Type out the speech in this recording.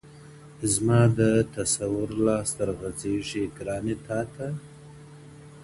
زما د تصور لاس در غځيږي گرانـي تــــاته,